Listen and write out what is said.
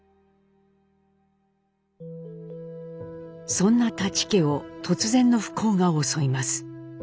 そんな舘家を突然の不幸が襲います。